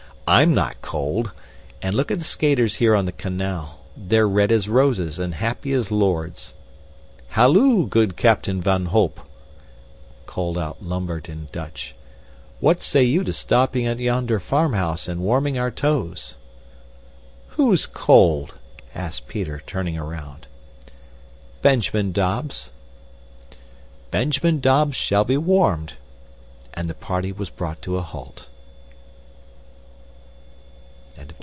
I'M not cold. And look at the skaters here on the canal they're red as roses and happy as lords. Halloo, good Captain van Holp," called out Lambert in Dutch, "what say you to stopping at yonder farmhouse and warming our toes?" "Who is cold?" asked Peter, turning around. "Benjamin Dobbs." "Benjamin Dobbs shall be warmed," and the party was brought to a halt.